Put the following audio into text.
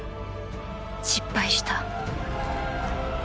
失敗した。